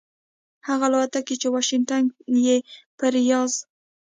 هغه الوتکې چې واشنګټن یې پر ریاض